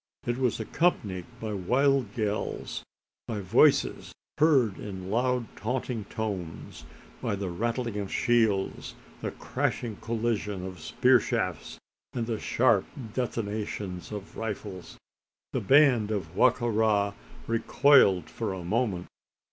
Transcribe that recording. It was accompanied by wild yells by voices heard in loud taunting tones by the rattling of shields, the crashing collision of spear shafts, and the sharp detonations of rifles. The band of Wa ka ra recoiled for a moment.